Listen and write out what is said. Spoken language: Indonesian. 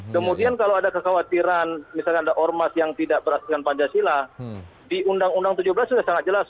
kemudian kalau ada kekhawatiran misalnya ada ormas yang tidak berhasilkan pancasila di undang undang tujuh belas sudah sangat jelas